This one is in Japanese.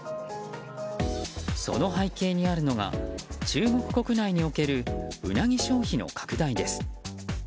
その背景にあるのが中国国内におけるウナギ消費の拡大です。